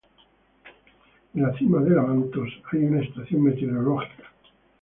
En la cima del Abantos hay una estación meteorológica.